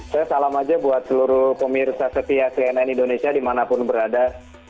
saya salam aja buat seluruh pemirsa setia cnn indonesia dimanapun berada